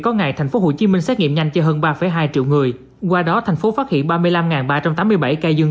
có ngày tp hcm xét nghiệm nhanh cho hơn ba hai triệu người qua đó thành phố phát hiện ba mươi năm ba trăm tám mươi bảy ca dương